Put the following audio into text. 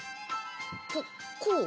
ここう？